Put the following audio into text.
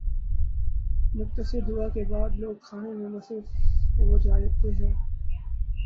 مختصر دعا کے بعد لوگ کھانے میں مصروف ہو جاتے ہیں۔